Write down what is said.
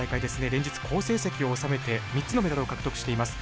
連日好成績を収めて３つのメダルを獲得しています。